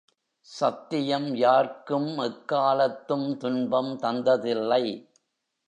சத்தியம் யார்க்கும் எக்காலத்தும் துன்பம் தந்ததில்லை.